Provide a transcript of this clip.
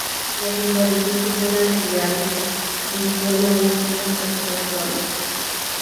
Las inflorescencias son axilares, en forma de espigas con pocas flores.